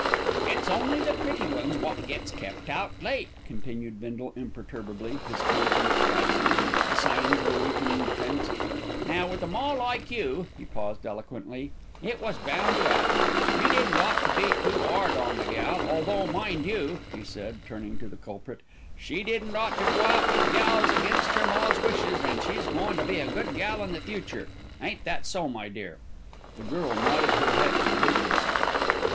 "It's only the pretty ones wot gets kept out late," continued Bindle imperturbably, his confidence rising at the signs of a weakening defence. "Now, with a ma like you," he paused eloquently, "it was bound to 'appen. You didn't ought to be too 'ard on the gal, although, mind you," he said, turning to the culprit, "she didn't ought to go out with gals against her ma's wishes, an' she's goin' to be a good gal in future ain't that so, my dear?" The girl nodded her head vigorously.